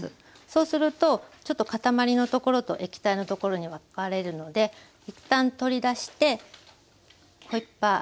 そうするとちょっとかたまりのところと液体のところに分かれるので一旦取り出してホイッパー